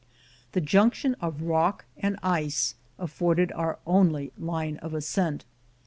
The junction of rock and ice afforded our only line of ascent.